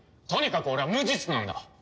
とにかく俺は無実なんだ！